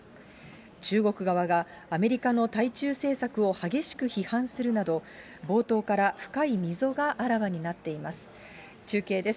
中国側が、アメリカの対中政策を激しく批判するなど、冒頭から深い溝があらわになっています。